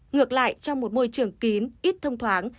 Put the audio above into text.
ngược lại trong một môi trường kín ít thông thoáng